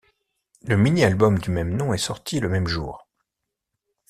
Le mini album du même nom est sorti le même jour.